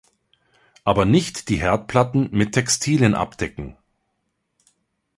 Aber nicht die Herdplatten mit Textilien abdecken!